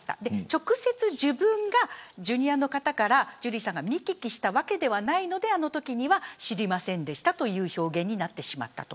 直接、自分がジュニアの方からジュリーさんが見聞きしたわけではないのであのときには知りませんでしたという表現になってしまったと。